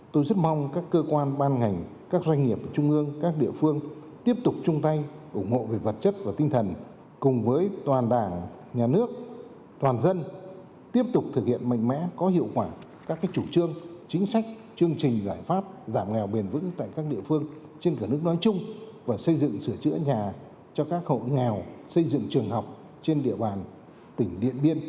tôi rất mong các cơ quan ban ngành các doanh nghiệp trung ương các địa phương tiếp tục chung tay ủng hộ về vật chất và tinh thần cùng với toàn đảng nhà nước toàn dân tiếp tục thực hiện mạnh mẽ có hiệu quả các chủ trương chính sách chương trình giải pháp giảm nghèo bền vững tại các địa phương trên cả nước nói chung và xây dựng sửa chữa nhà cho các hội nghèo xây dựng trường học trên địa bàn tỉnh điện biên